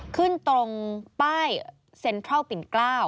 ขึ้นตรงป้ายเซ็นตรัลติ่น๙